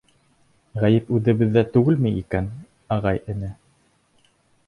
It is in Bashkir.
Ғәйеп үҙебеҙҙә түгелме икән, ағай-эне?